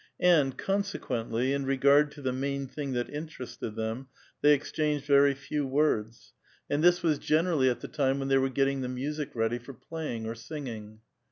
And. con sequently, in regaid to the main thing that interested them, they exchanged very few words ; and this was generally at A VITAL QUESTION. 95 the time when they were getting the music ready for playing or siugiiig.